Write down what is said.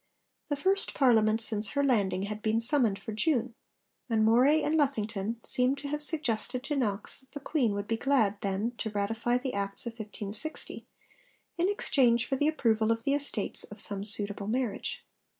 The first Parliament since her landing had been summoned for June, and Moray and Lethington seem to have suggested to Knox that the Queen would be glad then to ratify the Acts of 1560, in exchange for the approval by the estates of some suitable marriage.